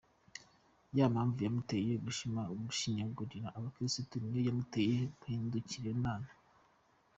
Ya mpamvu yamuteye gushinyagurira abakiristu niyo yamuteye guhindukirira Imana.